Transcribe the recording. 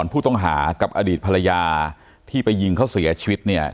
ผู้ต้องหากับอดีตภรรยาที่ไปยิงเขาเสียชีวิตเนี่ย